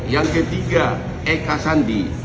yang ketiga eka sandi